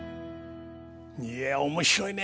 いや面白いね。